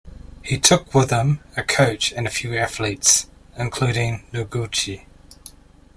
He took with him a coach and a few athletes, including Noguchi.